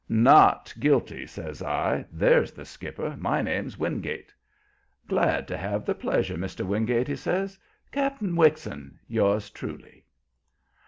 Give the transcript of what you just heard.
"Not guilty," says I. "There's the skipper. My name's Wingate." "Glad to have the pleasure, Mr. Wingate," he says. "Cap'n Wixon, yours truly."